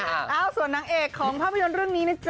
เอ้าส่วนนางเอกของภาพยนตร์เรื่องนี้นะจ๊